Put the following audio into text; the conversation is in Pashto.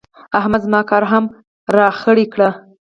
احمد زما کار هم را خرېړی کړ.